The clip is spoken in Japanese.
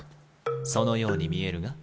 そのように見えるが？